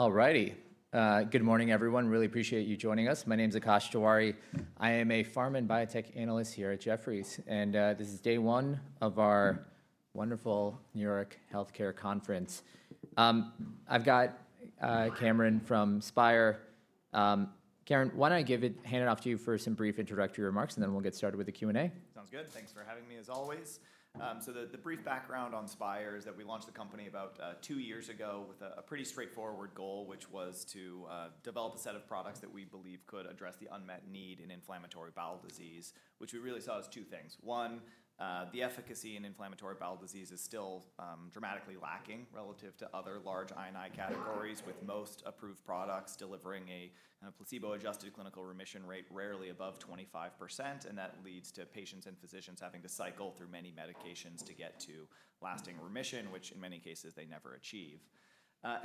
Alrighty. Good morning, everyone. Really appreciate you joining us. My name's Akash Jawhari. I am a pharma and biotech analyst here at Jefferies, and this is day one of our wonderful New York Healthcare Conference. I've got Cameron from Spyre. Cameron, why don't I hand it off to you for some brief introductory remarks, and then we'll get started with the Q&A? Sounds good. Thanks for having me, as always. The brief background on Spyre is that we launched the company about two years ago with a pretty straightforward goal, which was to develop a set of products that we believe could address the unmet need in inflammatory bowel disease, which we really saw as two things. One, the efficacy in inflammatory bowel disease is still dramatically lacking relative to other large INI categories, with most approved products delivering a placebo-adjusted clinical remission rate rarely above 25%, and that leads to patients and physicians having to cycle through many medications to get to lasting remission, which in many cases they never achieve.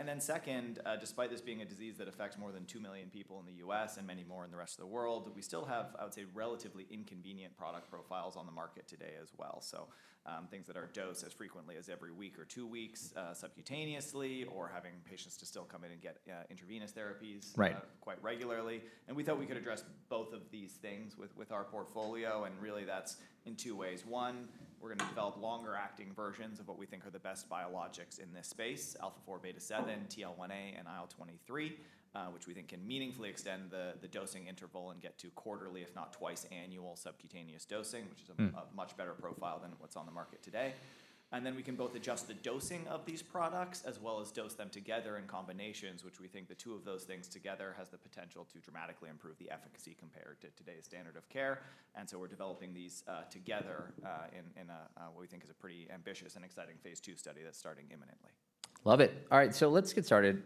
Then second, despite this being a disease that affects more than two million people in the U.S. and many more in the rest of the world, we still have, I would say, relatively inconvenient product profiles on the market today as well. Things that are dosed as frequently as every week or two weeks subcutaneously, or having patients still come in and get intravenous therapies quite regularly. We thought we could address both of these things with our portfolio, and really that's in two ways. One, we're going to develop longer-acting versions of what we think are the best biologics in this space: Alpha-4 Beta-7, TL1A, and IL-23, which we think can meaningfully extend the dosing interval and get to quarterly, if not twice-annual subcutaneous dosing, which is a much better profile than what's on the market today. We can both adjust the dosing of these products as well as dose them together in combinations, which we think the two of those things together has the potential to dramatically improve the efficacy compared to today's standard of care. We are developing these together in what we think is a pretty ambitious and exciting phase two study that is starting imminently. Love it. All right, let's get started.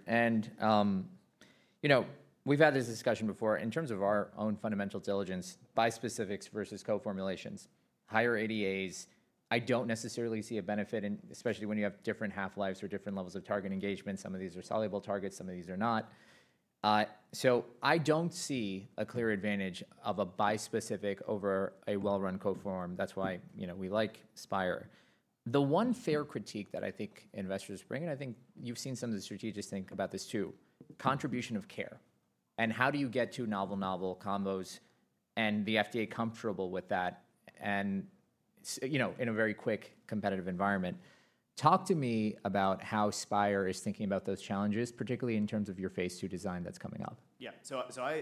We've had this discussion before. In terms of our own fundamental diligence, bispecifics versus co-formulations, higher ADAs, I don't necessarily see a benefit, especially when you have different half-lives or different levels of target engagement. Some of these are soluble targets, some of these are not. I don't see a clear advantage of a bispecific over a well-run co-form. That's why we like Spyre. The one fair critique that I think investors bring, and I think you've seen some of the strategists think about this too, contribution of care. How do you get to novel, novel combos and the FDA comfortable with that in a very quick competitive environment? Talk to me about how Spyre is thinking about those challenges, particularly in terms of your phase two design that's coming up. Yeah, so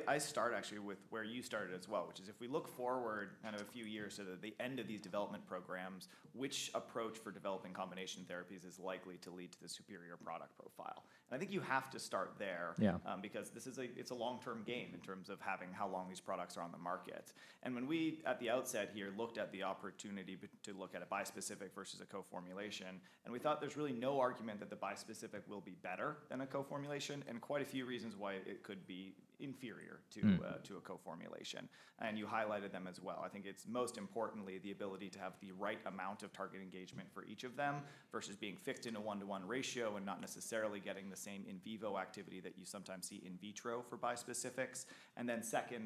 I start actually with where you started as well, which is if we look forward kind of a few years to the end of these development programs, which approach for developing combination therapies is likely to lead to the superior product profile. I think you have to start there because it's a long-term game in terms of having how long these products are on the market. When we at the outset here looked at the opportunity to look at a bispecific versus a co-formulation, we thought there's really no argument that the bispecific will be better than a co-formulation and quite a few reasons why it could be inferior to a co-formulation. You highlighted them as well. I think it's most importantly the ability to have the right amount of target engagement for each of them versus being fixed in a one-to-one ratio and not necessarily getting the same in vivo activity that you sometimes see in vitro for bispecifics.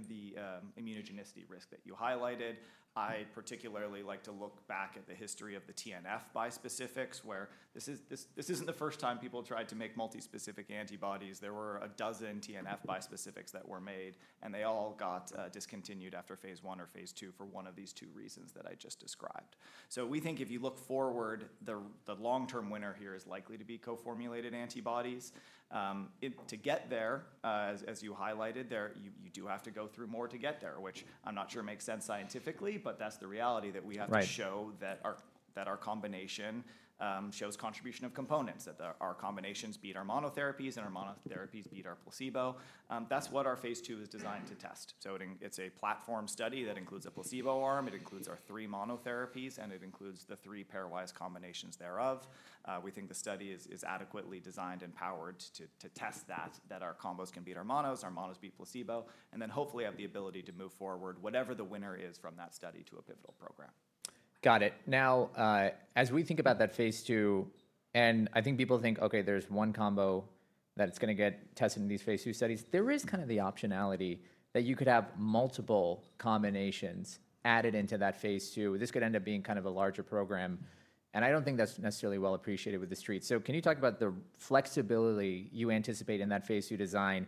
The immunogenicity risk that you highlighted is the second point. I particularly like to look back at the history of the TNF bispecifics, where this isn't the first time people tried to make multispecific antibodies. There were a dozen TNF bispecifics that were made, and they all got discontinued after phase one or phase two for one of these two reasons that I just described. We think if you look forward, the long-term winner here is likely to be co-formulated antibodies. To get there, as you highlighted there, you do have to go through more to get there, which I'm not sure makes sense scientifically, but that's the reality that we have to show that our combination shows contribution of components, that our combinations beat our monotherapies and our monotherapies beat our placebo. That's what our phase two is designed to test. It is a platform study that includes a placebo arm, it includes our three monotherapies, and it includes the three pairwise combinations thereof. We think the study is adequately designed and powered to test that, that our combos can beat our monos, our monos beat placebo, and then hopefully have the ability to move forward whatever the winner is from that study to a pivotal program. Got it. Now, as we think about that phase two, and I think people think, okay, there's one combo that it's going to get tested in these phase two studies, there is kind of the optionality that you could have multiple combinations added into that phase two. This could end up being kind of a larger program. I don't think that's necessarily well appreciated with the streets. Can you talk about the flexibility you anticipate in that phase two design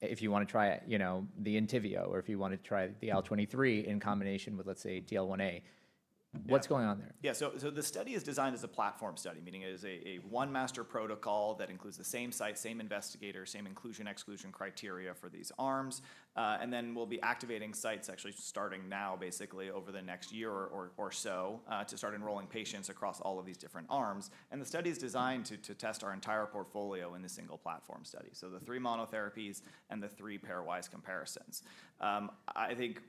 if you want to try the Entivio or if you want to try the IL-23 in combination with, let's say, TL1A? What's going on there? Yeah, so the study is designed as a platform study, meaning it is a one-master protocol that includes the same site, same investigator, same inclusion/exclusion criteria for these arms. We will be activating sites actually starting now, basically over the next year or so, to start enrolling patients across all of these different arms. The study is designed to test our entire portfolio in a single platform study. The three monotherapies and the three pairwise comparisons. I think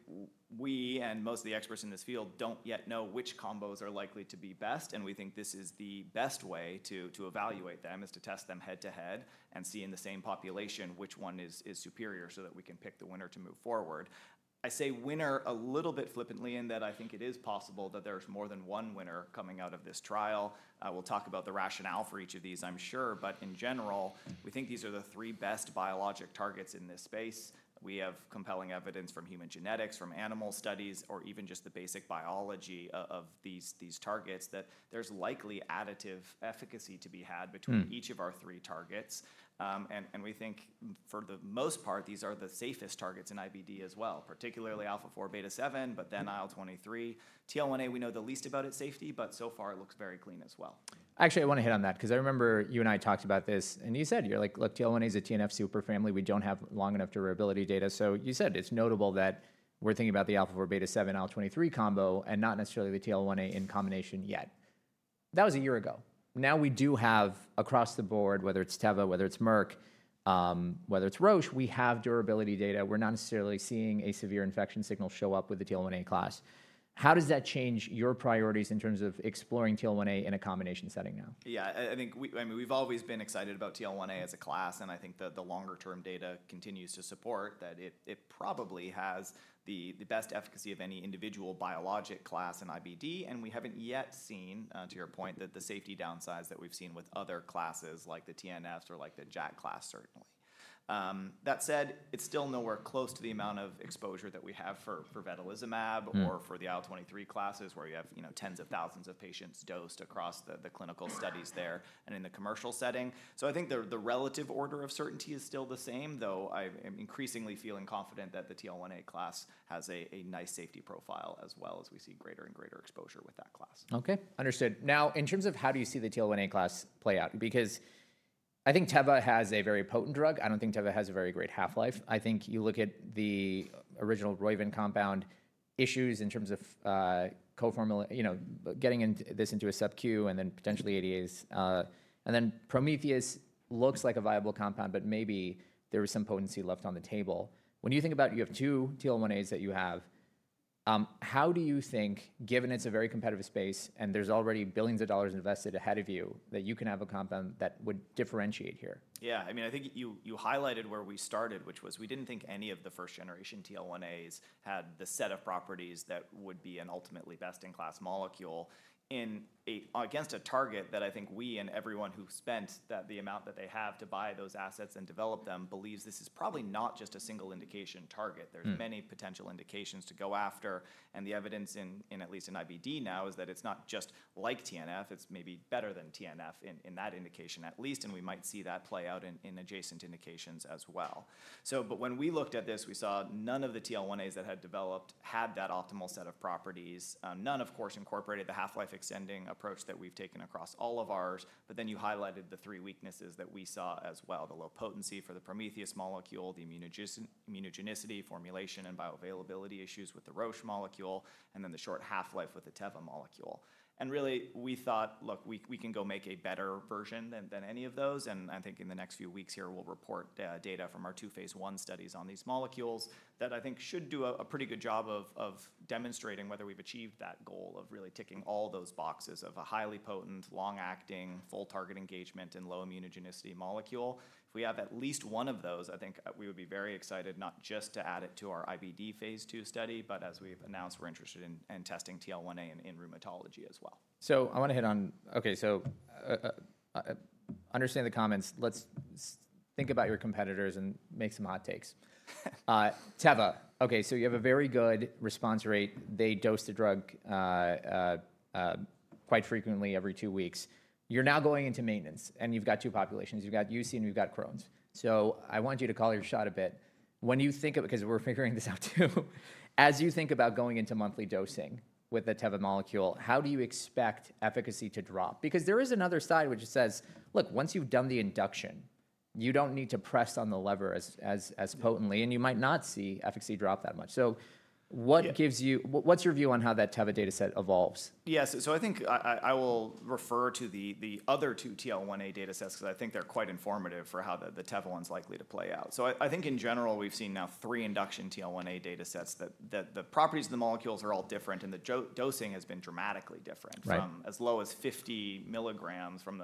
we and most of the experts in this field do not yet know which combos are likely to be best, and we think this is the best way to evaluate them, to test them head-to-head and see in the same population which one is superior so that we can pick the winner to move forward. I say winner a little bit flippantly in that I think it is possible that there's more than one winner coming out of this trial. We'll talk about the rationale for each of these, I'm sure, but in general, we think these are the three best biologic targets in this space. We have compelling evidence from human genetics, from animal studies, or even just the basic biology of these targets that there's likely additive efficacy to be had between each of our three targets. We think for the most part, these are the safest targets in IBD as well, particularly Alpha-4 Beta-7, but then IL-23. TL1A, we know the least about its safety, but so far it looks very clean as well. Actually, I want to hit on that because I remember you and I talked about this, and you said, you're like, "Look, TL1A is a TNF superfamily. We don't have long enough durability data." You said it's notable that we're thinking about the Alpha-4 Beta-7, IL-23 combo and not necessarily the TL1A in combination yet. That was a year ago. Now we do have across the board, whether it's Teva, whether it's Merck, whether it's Roche, we have durability data. We're not necessarily seeing a severe infection signal show up with the TL1A class. How does that change your priorities in terms of exploring TL1A in a combination setting now? Yeah, I think we've always been excited about TL1A as a class, and I think the longer-term data continues to support that it probably has the best efficacy of any individual biologic class in IBD, and we haven't yet seen, to your point, the safety downsides that we've seen with other classes like the TNFs or like the JAK class, certainly. That said, it's still nowhere close to the amount of exposure that we have for Vedolizumab or for the IL-23 classes where you have tens of thousands of patients dosed across the clinical studies there and in the commercial setting. I think the relative order of certainty is still the same, though I'm increasingly feeling confident that the TL1A class has a nice safety profile as well as we see greater and greater exposure with that class. Okay, understood. Now, in terms of how do you see the TL1A class play out? Because I think Teva has a very potent drug. I do not think Teva has a very great half-life. I think you look at the original Roivant compound issues in terms of co-formulation, getting this into a subQ and then potentially ADAs. And then Prometheus looks like a viable compound, but maybe there was some potency left on the table. When you think about you have two TL1As that you have, how do you think, given it is a very competitive space and there is already billions of dollars invested ahead of you, that you can have a compound that would differentiate here? Yeah, I mean, I think you highlighted where we started, which was we did not think any of the first-generation TL1As had the set of properties that would be an ultimately best-in-class molecule against a target that I think we and everyone who spent the amount that they have to buy those assets and develop them believes this is probably not just a single indication target. There are many potential indications to go after, and the evidence at least in IBD now is that it is not just like TNF, it is maybe better than TNF in that indication at least, and we might see that play out in adjacent indications as well. When we looked at this, we saw none of the TL1As that had developed had that optimal set of properties. None, of course, incorporated the half-life extending approach that we've taken across all of ours, but you highlighted the three weaknesses that we saw as well: the low potency for the Prometheus molecule, the immunogenicity, formulation, and bioavailability issues with the Roche molecule, and the short half-life with the Teva molecule. Really, we thought, look, we can go make a better version than any of those, and I think in the next few weeks here, we'll report data from our two phase one studies on these molecules that I think should do a pretty good job of demonstrating whether we've achieved that goal of really ticking all those boxes of a highly potent, long-acting, full target engagement and low immunogenicity molecule. If we have at least one of those, I think we would be very excited not just to add it to our IBD phase two study, but as we have announced, we are interested in testing TL1A in rheumatology as well. I want to hit on, okay, so understand the comments. Let's think about your competitors and make some hot takes. Teva, okay, so you have a very good response rate. They dose the drug quite frequently every two weeks. You're now going into maintenance and you've got two populations. You've got UC and you've got Crohn's. I want you to call your shot a bit. When you think of, because we're figuring this out too, as you think about going into monthly dosing with the Teva molecule, how do you expect efficacy to drop? Because there is another side which says, look, once you've done the induction, you don't need to press on the lever as potently and you might not see efficacy drop that much. What gives you, what's your view on how that Teva dataset evolves? Yes, so I think I will refer to the other two TL1A datasets because I think they're quite informative for how the Teva one's likely to play out. I think in general, we've seen now three induction TL1A datasets that the properties of the molecules are all different and the dosing has been dramatically different from as low as 50 milligrams in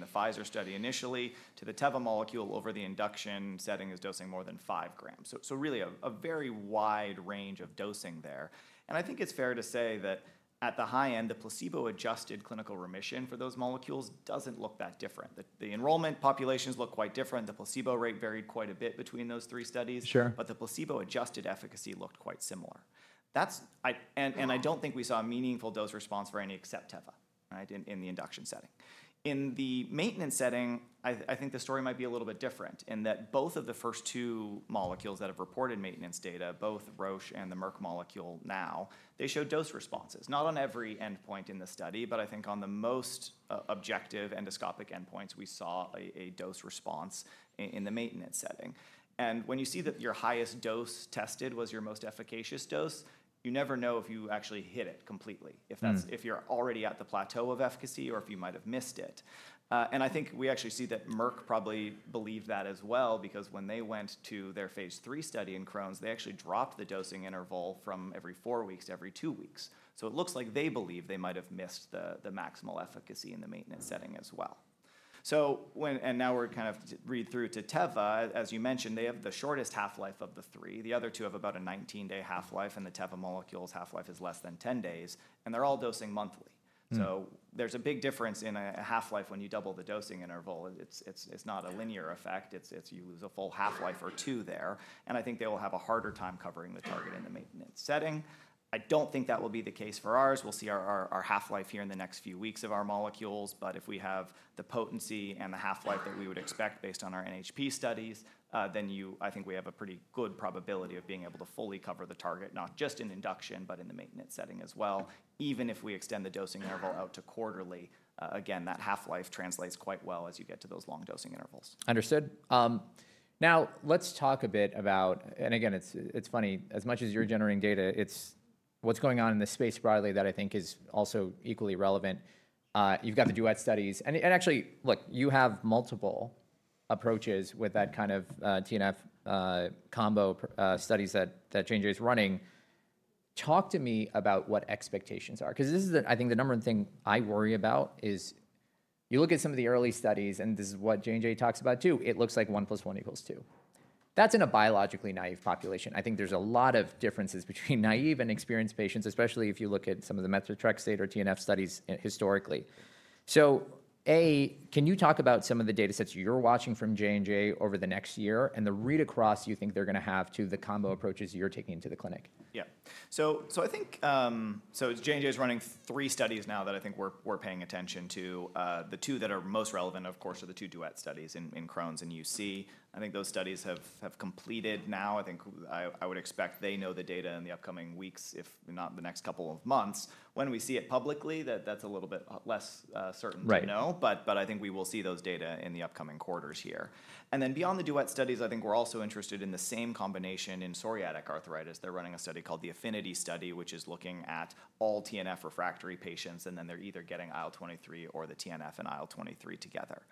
the Pfizer study initially to the Teva molecule over the induction setting is dosing more than 5 grams. Really a very wide range of dosing there. I think it's fair to say that at the high end, the placebo-adjusted clinical remission for those molecules doesn't look that different. The enrollment populations look quite different. The placebo rate varied quite a bit between those three studies, but the placebo-adjusted efficacy looked quite similar. I don't think we saw a meaningful dose response for any except Teva in the induction setting. In the maintenance setting, I think the story might be a little bit different in that both of the first two molecules that have reported maintenance data, both Roche and the Merck molecule now, they showed dose responses. Not on every endpoint in the study, but I think on the most objective endoscopic endpoints, we saw a dose response in the maintenance setting. When you see that your highest dose tested was your most efficacious dose, you never know if you actually hit it completely, if you're already at the plateau of efficacy or if you might have missed it. I think we actually see that Merck probably believed that as well because when they went to their phase three study in Crohn's, they actually dropped the dosing interval from every four weeks to every two weeks. It looks like they believe they might have missed the maximal efficacy in the maintenance setting as well. Now we're kind of read through to Teva. As you mentioned, they have the shortest half-life of the three. The other two have about a 19-day half-life and the Teva molecule's half-life is less than 10 days, and they're all dosing monthly. There's a big difference in a half-life when you double the dosing interval. It's not a linear effect. You lose a full half-life or two there. I think they will have a harder time covering the target in the maintenance setting. I don't think that will be the case for ours. We'll see our half-life here in the next few weeks of our molecules, but if we have the potency and the half-life that we would expect based on our NHP studies, then I think we have a pretty good probability of being able to fully cover the target, not just in induction, but in the maintenance setting as well. Even if we extend the dosing interval out to quarterly, again, that half-life translates quite well as you get to those long dosing intervals. Understood. Now let's talk a bit about, and again, it's funny, as much as you're generating data, it's what's going on in the space broadly that I think is also equally relevant. You've got the Duet studies. Actually, look, you have multiple approaches with that kind of TNF combo studies that J&J is running. Talk to me about what expectations are, because this is, I think, the number one thing I worry about is you look at some of the early studies and this is what J&J talks about too. It looks like one plus one equals two. That's in a biologically naive population. I think there's a lot of differences between naive and experienced patients, especially if you look at some of the methotrexate or TNF studies historically. Can you talk about some of the datasets you're watching from J&J over the next year and the read across you think they're going to have to the combo approaches you're taking into the clinic? Yeah. I think J&J is running three studies now that I think we're paying attention to. The two that are most relevant, of course, are the two Duet studies in Crohn's and UC. I think those studies have completed now. I think I would expect they know the data in the upcoming weeks, if not the next couple of months. When we see it publicly, that's a little bit less certain to know, but I think we will see those data in the upcoming quarters here. Beyond the Duet studies, I think we're also interested in the same combination in psoriatic arthritis. They're running a study called the Affinity Study, which is looking at all TNF refractory patients, and then they're either getting IL-23 or the TNF and IL-23 together.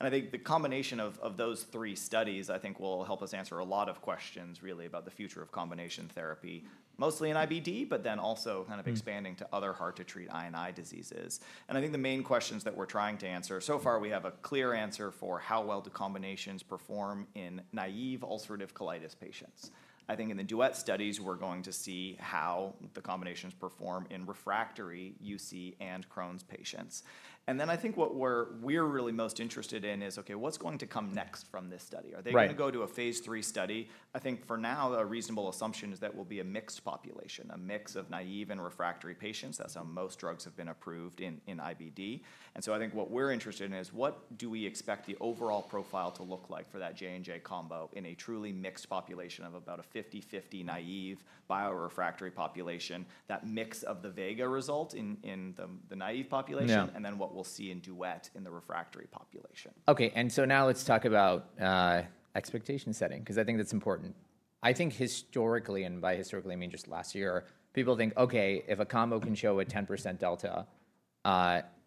I think the combination of those three studies, I think, will help us answer a lot of questions really about the future of combination therapy, mostly in IBD, but then also kind of expanding to other hard-to-treat I and I diseases. I think the main questions that we're trying to answer, so far we have a clear answer for how well the combinations perform in naive ulcerative colitis patients. I think in the Duet studies, we're going to see how the combinations perform in refractory UC and Crohn's patients. I think what we're really most interested in is, okay, what's going to come next from this study? Are they going to go to a phase three study? I think for now, a reasonable assumption is that will be a mixed population, a mix of naive and refractory patients. That's how most drugs have been approved in IBD. I think what we're interested in is what do we expect the overall profile to look like for that J&J combo in a truly mixed population of about a 50-50 naive biorefractory population, that mix of the Vega result in the naive population, and then what we'll see in Duet in the refractory population. Okay, and now let's talk about expectation setting, because I think that's important. I think historically, and by historically, I mean just last year, people think, okay, if a combo can show a 10% delta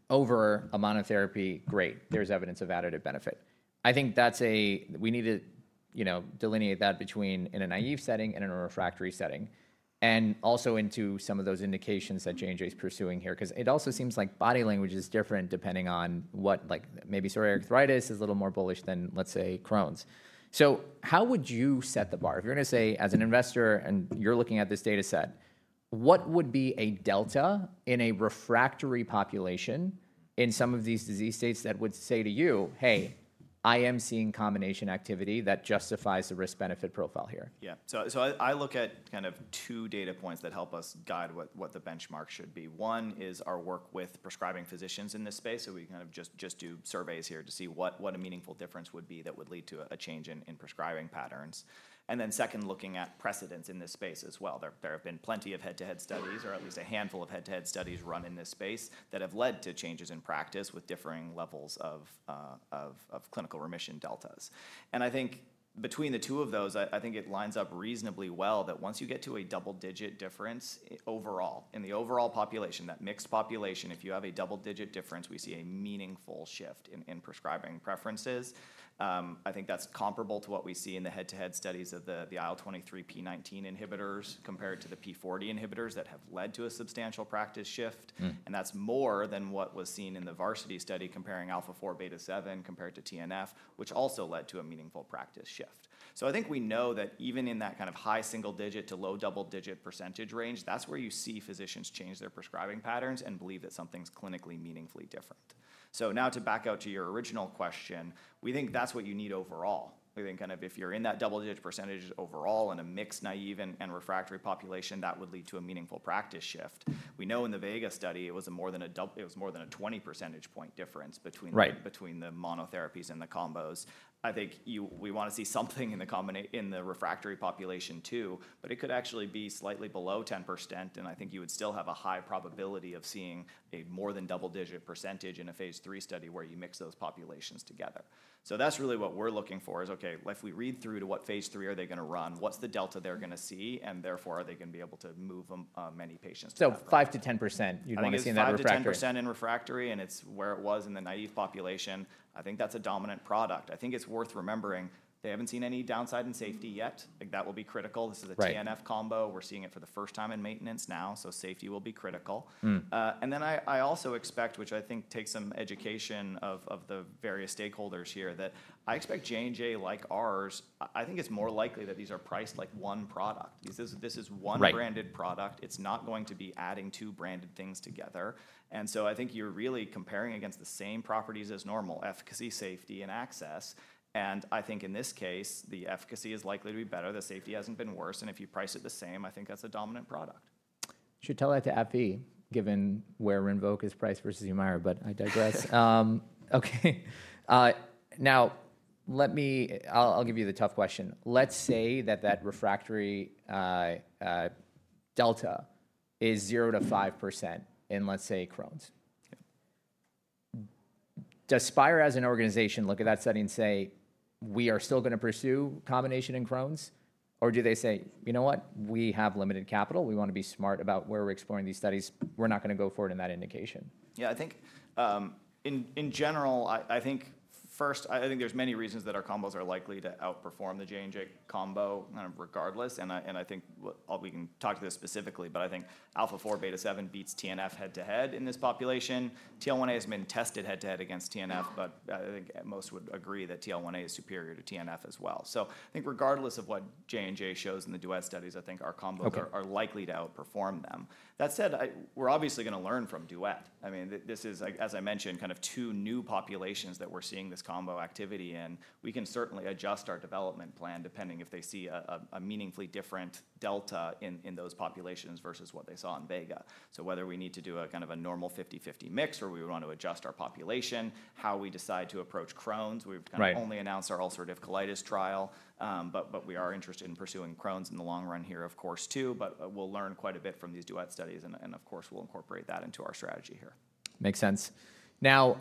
over a monotherapy, great, there's evidence of additive benefit. I think that's a, we need to delineate that between in a naive setting and in a refractory setting, and also into some of those indications that J&J is pursuing here, because it also seems like body language is different depending on what, like maybe psoriatic arthritis is a little more bullish than, let's say, Crohn's. How would you set the bar? If you're going to say, as an investor and you're looking at this dataset, what would be a delta in a refractory population in some of these disease states that would say to you, hey, I am seeing combination activity that justifies the risk-benefit profile here? Yeah, so I look at kind of two data points that help us guide what the benchmark should be. One is our work with prescribing physicians in this space, so we kind of just do surveys here to see what a meaningful difference would be that would lead to a change in prescribing patterns. Then second, looking at precedents in this space as well. There have been plenty of head-to-head studies, or at least a handful of head-to-head studies run in this space that have led to changes in practice with differing levels of clinical remission deltas. I think between the two of those, I think it lines up reasonably well that once you get to a double-digit difference overall, in the overall population, that mixed population, if you have a double-digit difference, we see a meaningful shift in prescribing preferences. I think that's comparable to what we see in the head-to-head studies of the IL-23 P19 inhibitors compared to the P40 inhibitors that have led to a substantial practice shift. That's more than what was seen in the Varsity study comparing alpha-4 beta-7 compared to TNF, which also led to a meaningful practice shift. I think we know that even in that kind of high single-digit to low double-digit % range, that's where you see physicians change their prescribing patterns and believe that something's clinically meaningfully different. Now to back out to your original question, we think that's what you need overall. We think kind of if you're in that double-digit % overall in a mixed naive and refractory population, that would lead to a meaningful practice shift. We know in the Vega study, it was more than a 20 percentage point difference between the monotherapies and the combos. I think we want to see something in the refractory population too, but it could actually be slightly below 10%, and I think you would still have a high probability of seeing a more than double-digit % in a phase three study where you mix those populations together. That is really what we are looking for is, okay, if we read through to what phase three are they going to run, what is the delta they are going to see, and therefore are they going to be able to move many patients? 5%-10%, you'd want to see in the refractory? 5%-10% in refractory, and it's where it was in the naive population. I think that's a dominant product. I think it's worth remembering they haven't seen any downside in safety yet. That will be critical. This is a TNF combo. We're seeing it for the first time in maintenance now, so safety will be critical. I also expect, which I think takes some education of the various stakeholders here, that I expect J&J like ours, I think it's more likely that these are priced like one product. This is one branded product. It's not going to be adding two branded things together. I think you're really comparing against the same properties as normal, efficacy, safety, and access. I think in this case, the efficacy is likely to be better. The safety hasn't been worse. If you price it the same, I think that's a dominant product. Should tell that to AbbVie, given where Rinvoq is priced versus Humira, but I digress. Okay, now let me, I'll give you the tough question. Let's say that that refractory delta is 0%-5% in, let's say, Crohn's. Does Spyre as an organization look at that study and say, we are still going to pursue combination in Crohn's? Or do they say, you know what, we have limited capital. We want to be smart about where we're exploring these studies. We're not going to go for it in that indication. Yeah, I think in general, I think first, I think there's many reasons that our combos are likely to outperform the J&J combo kind of regardless. I think we can talk to this specifically, but I think alpha-4 beta-7 beats TNF head-to-head in this population. TL1A has been tested head-to-head against TNF, but I think most would agree that TL1A is superior to TNF as well. I think regardless of what J&J shows in the Duet studies, I think our combos are likely to outperform them. That said, we're obviously going to learn from Duet. I mean, this is, as I mentioned, kind of two new populations that we're seeing this combo activity in. We can certainly adjust our development plan depending if they see a meaningfully different delta in those populations versus what they saw in Vega. Whether we need to do a kind of a normal 50-50 mix or we want to adjust our population, how we decide to approach Crohn's. We've kind of only announced our ulcerative colitis trial, but we are interested in pursuing Crohn's in the long run here, of course, too. We'll learn quite a bit from these Duet studies, and of course, we'll incorporate that into our strategy here. Makes sense. Now,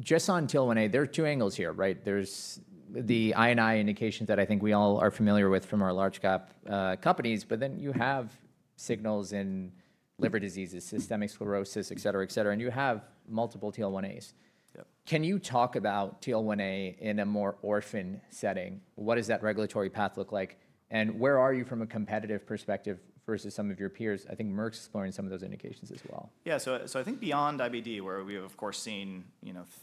just on TL1A, there are two angles here, right? There's the I and I indications that I think we all are familiar with from our large cap companies, but then you have signals in liver diseases, systemic sclerosis, et cetera, et cetera, and you have multiple TL1As. Can you talk about TL1A in a more orphan setting? What does that regulatory path look like? Where are you from a competitive perspective versus some of your peers? I think Merck's exploring some of those indications as well. Yeah, so I think beyond IBD, where we have, of course, seen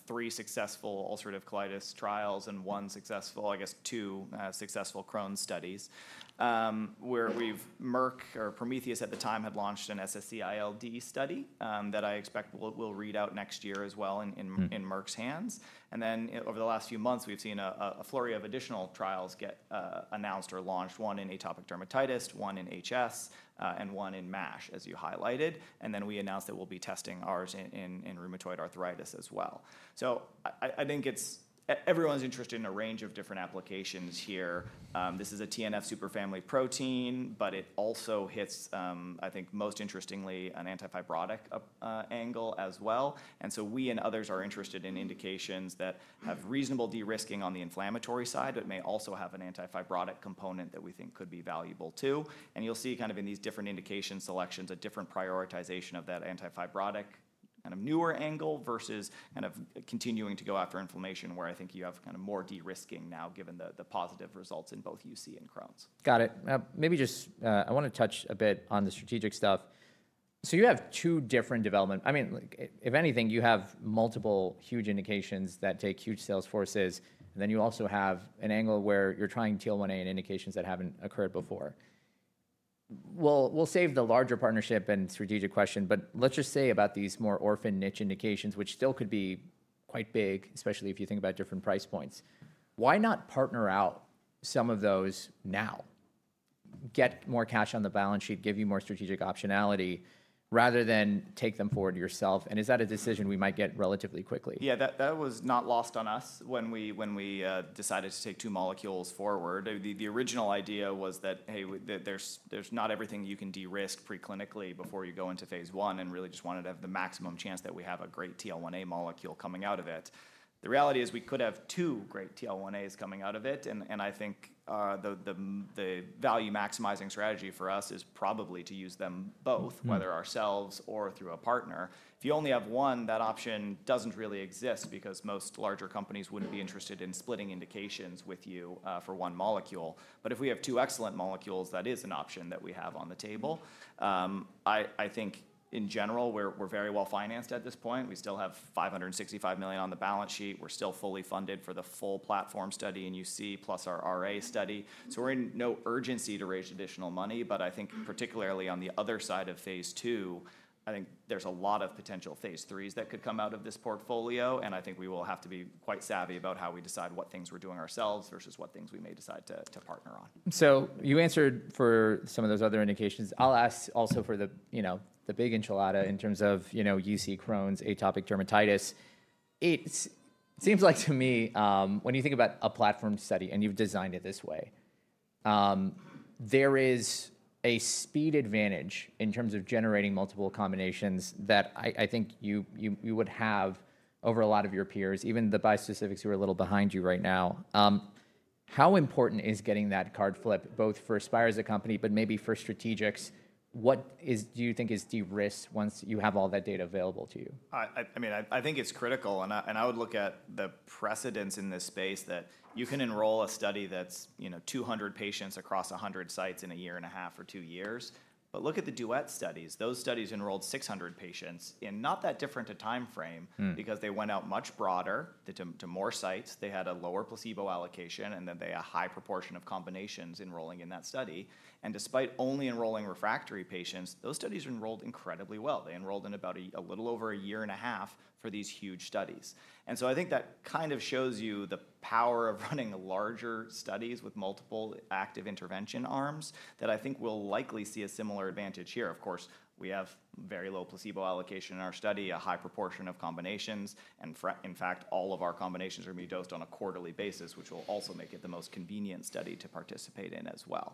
three successful ulcerative colitis trials and one successful, I guess, two successful Crohn's studies, where Merck or Prometheus at the time had launched an SSC ILD study that I expect we'll read out next year as well in Merck's hands. Over the last few months, we've seen a flurry of additional trials get announced or launched, one in atopic dermatitis, one in HS, and one in MASH, as you highlighted. We announced that we'll be testing ours in rheumatoid arthritis as well. I think everyone's interested in a range of different applications here. This is a TNF superfamily protein, but it also hits, I think most interestingly, an antifibrotic angle as well. We and others are interested in indications that have reasonable de-risking on the inflammatory side, but may also have an antifibrotic component that we think could be valuable too. You will see in these different indication selections a different prioritization of that antifibrotic kind of newer angle versus continuing to go after inflammation, where I think you have more de-risking now, given the positive results in both UC and Crohn's. Got it. Maybe just I want to touch a bit on the strategic stuff. You have two different developments. I mean, if anything, you have multiple huge indications that take huge sales forces, and then you also have an angle where you're trying TL1A in indications that have not occurred before. We'll save the larger partnership and strategic question, but let's just say about these more orphan niche indications, which still could be quite big, especially if you think about different price points. Why not partner out some of those now? Get more cash on the balance sheet, give you more strategic optionality, rather than take them forward yourself. Is that a decision we might get relatively quickly? Yeah, that was not lost on us when we decided to take two molecules forward. The original idea was that, hey, there's not everything you can de-risk preclinically before you go into phase one and really just wanted to have the maximum chance that we have a great TL1A molecule coming out of it. The reality is we could have two great TL1As coming out of it, and I think the value maximizing strategy for us is probably to use them both, whether ourselves or through a partner. If you only have one, that option doesn't really exist because most larger companies wouldn't be interested in splitting indications with you for one molecule. If we have two excellent molecules, that is an option that we have on the table. I think in general, we're very well financed at this point. We still have $565 million on the balance sheet. We're still fully funded for the full platform study in UC + our RA study. We're in no urgency to raise additional money, but I think particularly on the other side of phase two, I think there's a lot of potential phase threes that could come out of this portfolio, and I think we will have to be quite savvy about how we decide what things we're doing ourselves versus what things we may decide to partner on. You answered for some of those other indications. I'll ask also for the big enchilada in terms of UC, Crohn's, atopic dermatitis. It seems like to me, when you think about a platform study and you've designed it this way, there is a speed advantage in terms of generating multiple combinations that I think you would have over a lot of your peers, even the bispecifics who are a little behind you right now. How important is getting that card flip, both for Spyre as a company, but maybe for strategics? What do you think is de-risked once you have all that data available to you? I mean, I think it's critical, and I would look at the precedents in this space that you can enroll a study that's 200 patients across 100 sites in a year and a half or two years. Look at the Duet studies. Those studies enrolled 600 patients in not that different a timeframe because they went out much broader to more sites. They had a lower placebo allocation, and they had a high proportion of combinations enrolling in that study. Despite only enrolling refractory patients, those studies enrolled incredibly well. They enrolled in about a little over a year and a half for these huge studies. I think that kind of shows you the power of running larger studies with multiple active intervention arms that I think we'll likely see a similar advantage here. Of course, we have very low placebo allocation in our study, a high proportion of combinations, and in fact, all of our combinations are being dosed on a quarterly basis, which will also make it the most convenient study to participate in as well.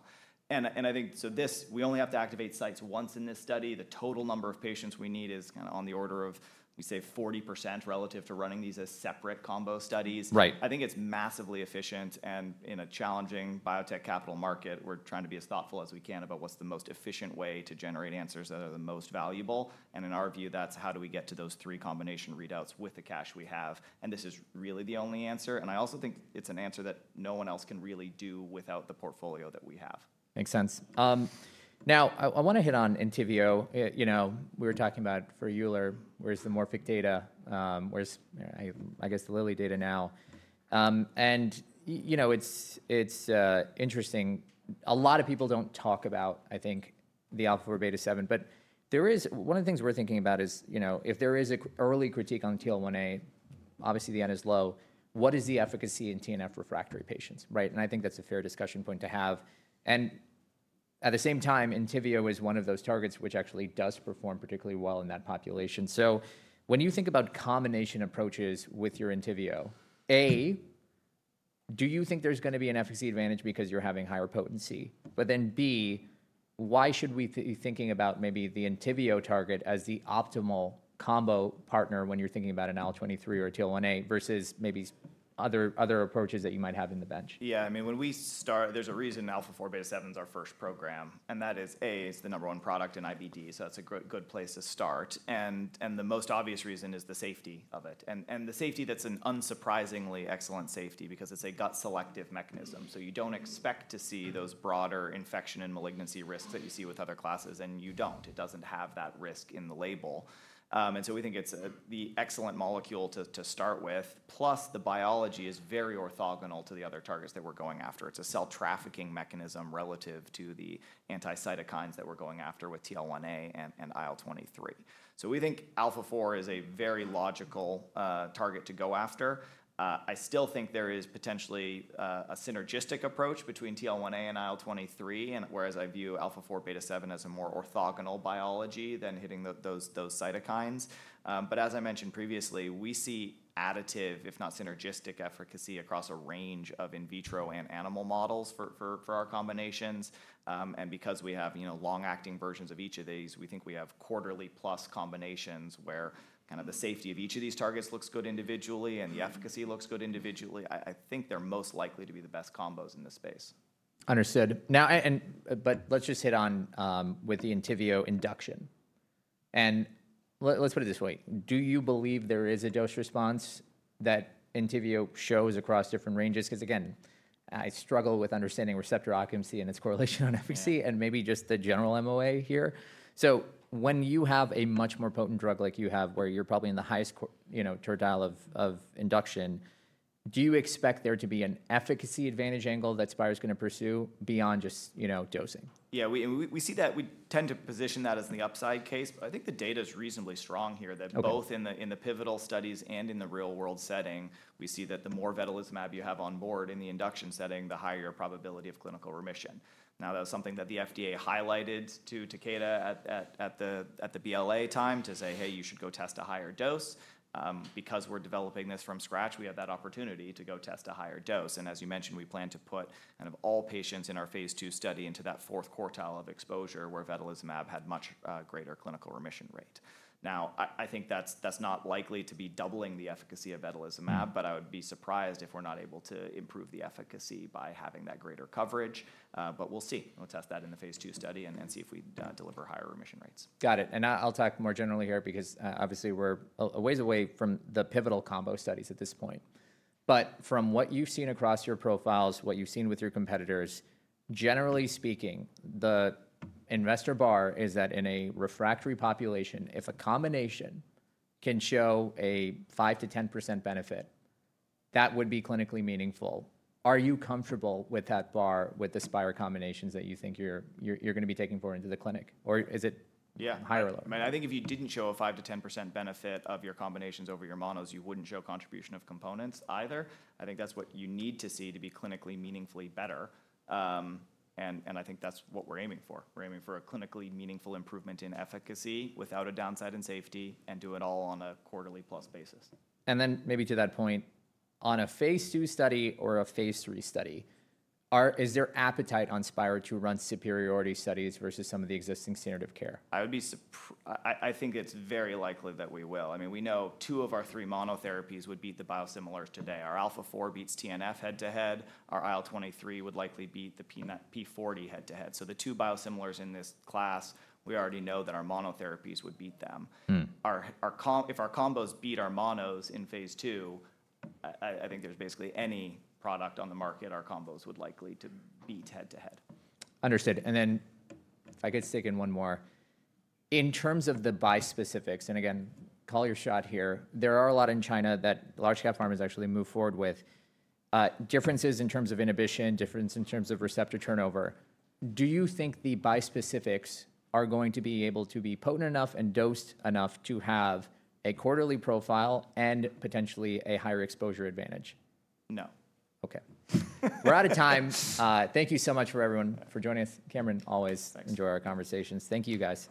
I think this, we only have to activate sites once in this study. The total number of patients we need is kind of on the order of, we say, 40% relative to running these as separate combo studies. I think it's massively efficient, and in a challenging biotech capital market, we're trying to be as thoughtful as we can about what's the most efficient way to generate answers that are the most valuable. In our view, that's how do we get to those three combination readouts with the cash we have. This is really the only answer. I also think it's an answer that no one else can really do without the portfolio that we have. Makes sense. Now, I want to hit on Entivio. We were talking about for Euler, where's the Morphic data? Where's, I guess, the Lilly data now? It's interesting. A lot of people don't talk about, I think, the alpha-4 beta-7, but there is one of the things we're thinking about is if there is an early critique on TL1A, obviously the N is low, what is the efficacy in TNF refractory patients, right? I think that's a fair discussion point to have. At the same time, Entivio is one of those targets which actually does perform particularly well in that population. When you think about combination approaches with your Entivio, A, do you think there's going to be an efficacy advantage because you're having higher potency? Why should we be thinking about maybe the Entivio target as the optimal combo partner when you're thinking about an IL-23 or a TL1A versus maybe other approaches that you might have in the bench? Yeah, I mean, when we start, there's a reason alpha-4 beta-7 is our first program, and that is, A, it's the number one product in IBD, so that's a good place to start. The most obvious reason is the safety of it. The safety, that's an unsurprisingly excellent safety because it's a gut selective mechanism. You don't expect to see those broader infection and malignancy risks that you see with other classes, and you don't. It doesn't have that risk in the label. We think it's the excellent molecule to start with, plus the biology is very orthogonal to the other targets that we're going after. It's a cell trafficking mechanism relative to the anti-cytokines that we're going after with TL1A and IL-23. We think alpha-4 is a very logical target to go after. I still think there is potentially a synergistic approach between TL1A and IL-23, whereas I view alpha-4 beta-7 as a more orthogonal biology than hitting those cytokines. As I mentioned previously, we see additive, if not synergistic, efficacy across a range of in vitro and animal models for our combinations. Because we have long-acting versions of each of these, we think we have quarterly plus combinations where the safety of each of these targets looks good individually and the efficacy looks good individually. I think they're most likely to be the best combos in this space. Understood. Now, let's just hit on with the Entivio induction. Let's put it this way. Do you believe there is a dose response that Entivio shows across different ranges? Because again, I struggle with understanding receptor occupancy and its correlation on efficacy and maybe just the general MOA here. When you have a much more potent drug like you have where you're probably in the highest tertile of induction, do you expect there to be an efficacy advantage angle that Spyre is going to pursue beyond just dosing? Yeah, we see that we tend to position that as the upside case, but I think the data is reasonably strong here that both in the pivotal studies and in the real-world setting, we see that the more Vedolizumab you have on board in the induction setting, the higher your probability of clinical remission. That was something that the FDA highlighted to Takeda at the BLA time to say, hey, you should go test a higher dose. Because we are developing this from scratch, we have that opportunity to go test a higher dose. As you mentioned, we plan to put kind of all patients in our phase two study into that fourth quartile of exposure where Vedolizumab had much greater clinical remission rate. Now, I think that's not likely to be doubling the efficacy of Vedolizumab, but I would be surprised if we're not able to improve the efficacy by having that greater coverage. We will see. We will test that in the phase two study and see if we deliver higher remission rates. Got it. I'll talk more generally here because obviously we're a ways away from the pivotal combo studies at this point. From what you've seen across your profiles, what you've seen with your competitors, generally speaking, the investor bar is that in a refractory population, if a combination can show a 5%-10% benefit, that would be clinically meaningful. Are you comfortable with that bar with the Spyre combinations that you think you're going to be taking forward into the clinic? Or is it higher or lower? Yeah. I mean, I think if you did not show a 5%-10% benefit of your combinations over your monos, you would not show contribution of components either. I think that is what you need to see to be clinically meaningfully better. I think that is what we are aiming for. We are aiming for a clinically meaningful improvement in efficacy without a downside in safety and do it all on a quarterly + basis. Maybe to that point, on a phase two study or a phase three study, is there appetite on Spyre to run superiority studies versus some of the existing standard of care? I think it's very likely that we will. I mean, we know two of our three monotherapies would beat the biosimilars today. Our alpha-4 beta-7 beats TNF head to head. Our IL-23 would likely beat the P40 head to head. So the two biosimilars in this class, we already know that our monotherapies would beat them. If our combos beat our monos in phase two, I think there's basically any product on the market, our combos would likely to beat head to head. Understood. If I could stick in one more. In terms of the bispecifics, and again, call your shot here, there are a lot in China that large cap pharma has actually moved forward with differences in terms of inhibition, differences in terms of receptor turnover. Do you think the bispecifics are going to be able to be potent enough and dosed enough to have a quarterly profile and potentially a higher exposure advantage? No. Okay. We're out of time. Thank you so much for everyone for joining us. Cameron, always enjoy our conversations. Thank you, guys.